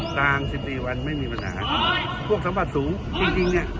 กลาง๑๔วันไม่มีปัญหาพวกสมบัติสูงจริงเนี่ย